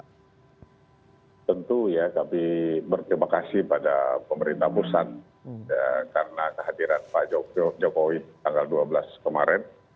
tentu ya kami berterima kasih pada pemerintah pusat karena kehadiran pak jokowi tanggal dua belas kemarin